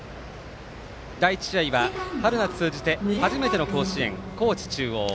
第１試合は春夏通じて初めての甲子園高知中央。